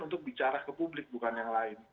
untuk bicara ke publik bukan yang lain